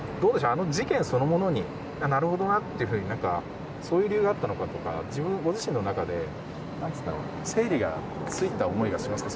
あの事件そのものになるほどなって何かそういう理由があったのかとかご自身の中で整理がついた思いがしますか。